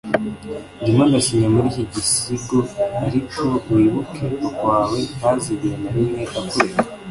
ndimo ndasinya muri iki gisigo, ariko wibuke, papa wawe ntazigera, na rimwe, akureka